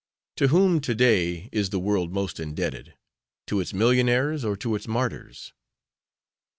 To whom to day is the world most indebted to its millionaires or to its martyrs?"